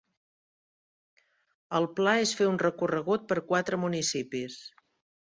El pla és fer un recorregut per quatre municipis.